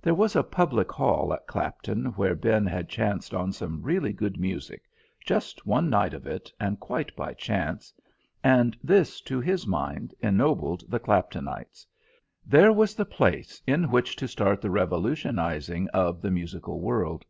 There was a public hall at Clapton where Ben had chanced on some really good music just one night of it, and quite by chance and this, to his mind, ennobled the Claptonites; there was the place in which to start the revolutionising of the musical world.